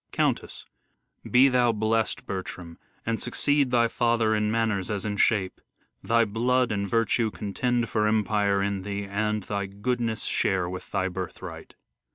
Countess : Be thou blest, Bertram, and succeed thy father In manners as in shape ! Thy blood and virtue Contend for empire in thee ; and thy goodness Share with thy birthright.